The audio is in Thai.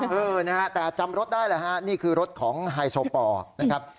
เออนะฮะแต่จำรถได้แหละฮะนี่คือรถของไฮโซปอร์นะครับ